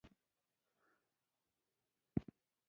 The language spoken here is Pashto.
که چېرې نور دا شکایت کوي چې مونږ یې خبرو ته غوږ نه یو